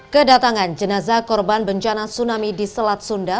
kedatangan jenazah korban bencana tsunami di selat sunda